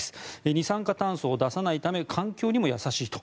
二酸化炭素を出さないため環境にも優しいと。